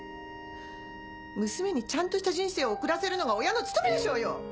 娘にちゃんとした人生を送らせるのが親の務めでしょうよ。